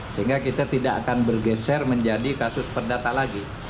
sehingga kita tidak akan bergeser menjadi kasus perdata lagi